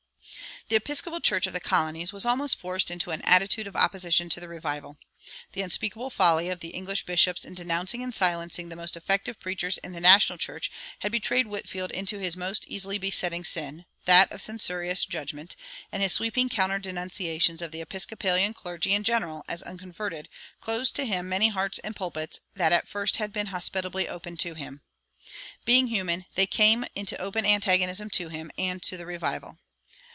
The Episcopal Church of the colonies was almost forced into an attitude of opposition to the revival. The unspeakable folly of the English bishops in denouncing and silencing the most effective preachers in the national church had betrayed Whitefield into his most easily besetting sin, that of censorious judgment, and his sweeping counter denunciations of the Episcopalian clergy in general as unconverted closed to him many hearts and pulpits that at first had been hospitably open to him. Being human, they came into open antagonism to him and to the revival.